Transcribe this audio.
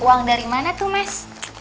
uang dari mana tuh mas